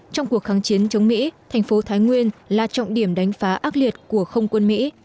trong cuộc kháng chiến chống mỹ thành phố thái nguyên là trọng điểm đánh phá ác liệt của không quân mỹ